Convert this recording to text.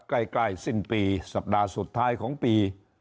ใกล้สิ้นปีสัปดาห์สุดท้ายของปี